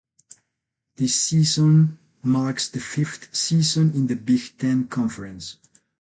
This season marks the fifth season in the Big Ten Conference.